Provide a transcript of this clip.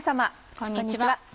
こんにちは。